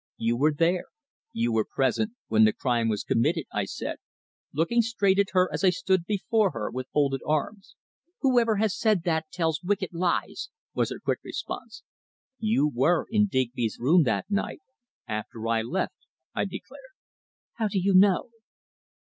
"You were there you were present when the crime was committed," I said, looking straight at her as I stood before her with folded arms. "Whoever has said that tells wicked lies," was her quick response. "You were in Digby's room that night after I left," I declared. "How do you know."